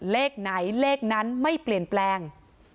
เลขไหนเลขนั้นไม่เปลี่ยนแปลง